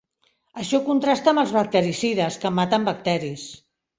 Això contrasta amb els bactericides, que maten bacteris.